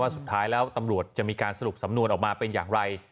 สุดท้ายแล้วตำรวจจะมีการสรุปสำนวนออกมาเป็นอย่างไร